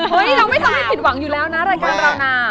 เราไม่ทำให้ผิดหวังอยู่แล้วนะรายการเรานะ